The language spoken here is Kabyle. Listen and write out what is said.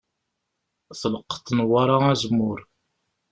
Tleqqeḍ Newwara azemmur.